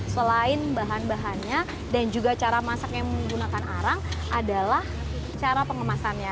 selain bahan bahannya dan juga cara masaknya menggunakan arang adalah cara pengemasannya